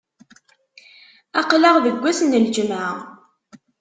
Aql-aɣ deg ass n lǧemɛa.